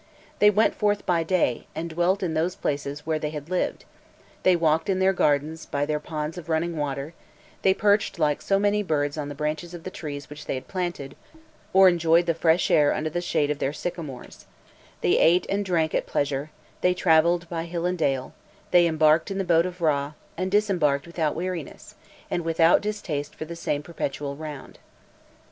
They "went forth by day," and dwelt in those places where they had lived; they walked in their gardens by their ponds of running water; they perched like so many birds on the branches of the trees which they had planted, or enjoyed the fresh air under the shade of their sycamores; they ate and drank at pleasure; they travelled by hill and dale; they embarked in the boat of Râ, and disembarked without weariness, and without distaste for the same perpetual round.